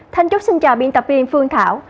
thân chúc xin chào biên tập viên phương thảo